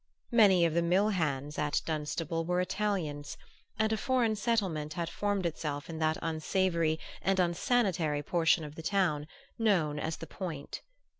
Many of the mill hands at Dunstable were Italians, and a foreign settlement had formed itself in that unsavory and unsanitary portion of the town known as the Point.